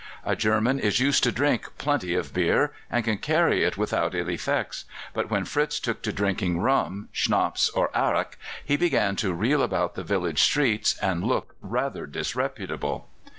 A German is used to drink plenty of beer, and can carry it without ill effects; but when Fritz took to drinking rum, schnapps, or arrack, he began to reel about the village streets and look rather disreputable.